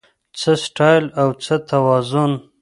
څه سټایل او څه توازن